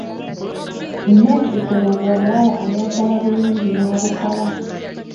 Nazzikuno ng'omuwala ayambala bulungi n'abukala.